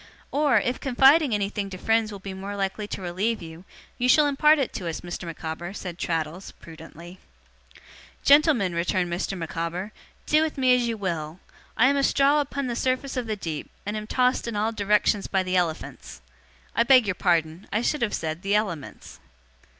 'Or, if confiding anything to friends will be more likely to relieve you, you shall impart it to us, Mr. Micawber,' said Traddles, prudently. 'Gentlemen,' returned Mr. Micawber, 'do with me as you will! I am a straw upon the surface of the deep, and am tossed in all directions by the elephants I beg your pardon; I should have said the elements.